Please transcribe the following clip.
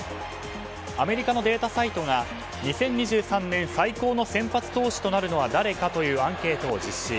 アメリカのデータサイトが２０２３年最高の先発投手となるのは誰かというアンケートを実施。